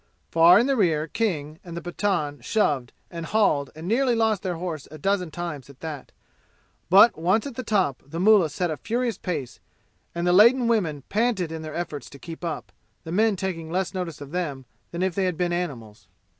Far in the rear King and the Pathan shoved and hauled and nearly lost their horse a dozen times at that. But once at the top the mullah set a furious pace and the laden women panted in their efforts to keep up, the men taking less notice of them than if they had been animals.